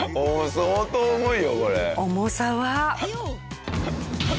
相当重いよこれ。